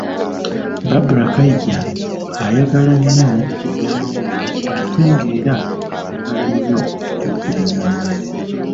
Barbara Kaija ayagala nnyo ebyamawulire ate ng'era ayagala nnyo okuyigiriza abalala